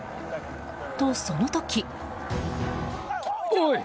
と、その時。